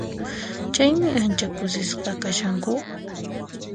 Chaymi ancha kusisqa kashanku.